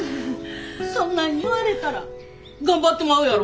そんなに言われたら頑張ってまうやろ。